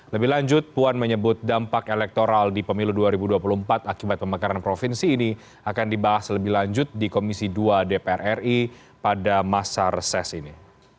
lebih lanjut puan menyebut dampak elektoral di pemilu dua ribu dua puluh empat akibat pemekaran provinsi ini akan dibahas lebih lanjut di komisi dua dpr ri pada masa reses ini